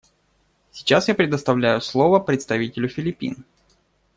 Сейчас я предоставляю слово представителю Филиппин.